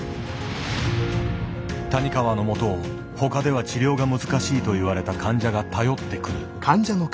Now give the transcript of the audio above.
谷川の元を他では治療が難しいと言われた患者が頼ってくる。